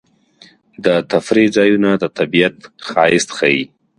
د تفریح ځایونه د طبیعت ښایست ښيي.